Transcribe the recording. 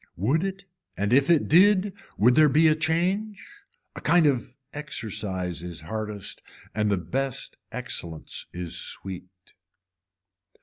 Would it and if it did would there be a change. A kind of exercise is hardest and the best excellence is sweet.